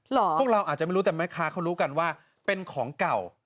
พวกเราอาจจะไม่รู้แต่แม่ค้าเขารู้กันว่าเป็นของเก่า